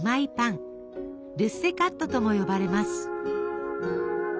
「ルッセカット」とも呼ばれます。